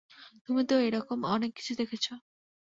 তুমি তো এরকম অনেক কিছু দেখেছ।